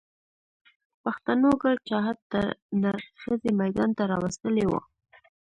پښتنو ګل چاهت نر ښځی ميدان ته را وستلی و